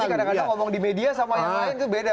kadang kadang ngomong di media sama yang lain itu beda